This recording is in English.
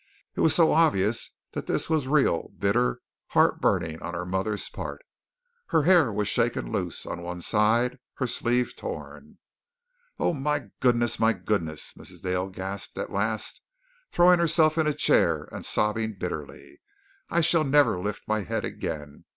It was so obvious that this was real bitter heart burning on her mother's part. Her hair was shaken loose on one side her sleeve torn. "Oh, my goodness! my goodness!" Mrs Dale gasped at last, throwing herself in a chair and sobbing bitterly. "I shall never lift my head again.